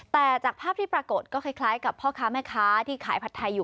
แต่จากภาพที่ปรากฏก็คล้ายกับพ่อค้าแม่ค้าที่ขายผัดไทยอยู่